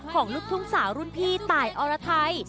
ลูกทุ่งสาวรุ่นพี่ตายอรไทย